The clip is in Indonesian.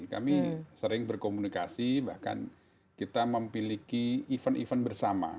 kami sering berkomunikasi bahkan kita memiliki event event bersama